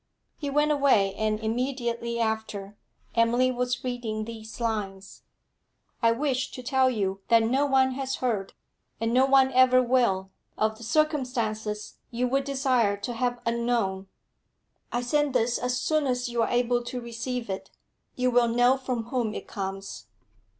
He went away, and, immediately after, Emily was reading these lines: 'I wish to tell you that no one has heard, and no one ever will, of the circumstances you would desire to have unknown. I send this as soon as you are able to receive it. You will know from whom it comes.'